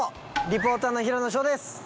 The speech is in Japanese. リポーターの平野紫耀です。